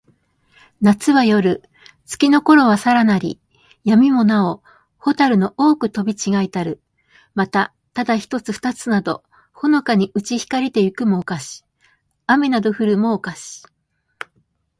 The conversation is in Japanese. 夏なつは、夜よる。月つきのころはさらなり。闇やみもなほ、蛍ほたるの多おほく飛とびちがひたる。また、ただ一ひとつ二ふたつなど、ほのかにうち光ひかりて行いくも、をかし。雨あめなど降ふるも、をかし。